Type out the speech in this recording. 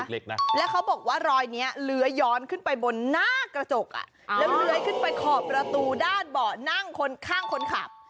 แล้วเลื้อยขึ้นไปขอบประตูด้านเบาะนั่งข้างคนขับ